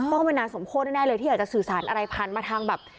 ต้องเป็นนางสมโพธิแน่เลยที่อยากจะสื่อสารอะไรผ่านมาทางแบบ